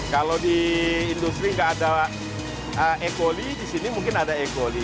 kalau di industri tidak ada ecoli di sini mungkin ada ecoli